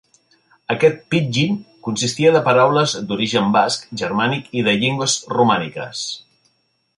Aquest pidgin consistia de paraules d'origen basc, germànic, i de llengües romàniques.